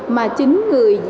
mà chính người